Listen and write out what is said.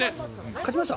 勝ちました？